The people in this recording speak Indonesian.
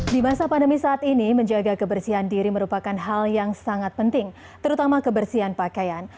di masa pandemi saat ini menjaga kebersihan diri merupakan hal yang sangat penting terutama kebersihan pakaian